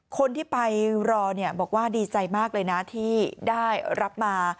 คนที่ไปรอบอกว่าดีใจมากเลยนะที่ได้รับมา